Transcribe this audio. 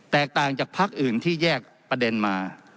แตกต่างจากพักอื่นที่แยกประเด็นมา